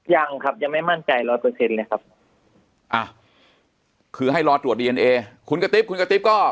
ยังครับยังไม่มั่นใจ๑๐๐เลยครับคือให้รอตรวจดีเอนเอคุณกระติ๊บ